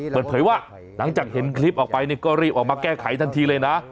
เปิดเผยว่าหลังจากเห็นคลิปออกไปก็รีบออกมาแก้ไขทันทีเลยนะ